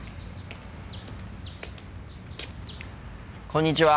こんにちは。